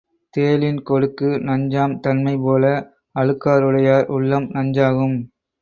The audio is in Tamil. தேளின் கொடுக்கு, நஞ்சாம் தன்மைபோல அழுக்காறுடையார் உள்ளம் நஞ்சாகும்.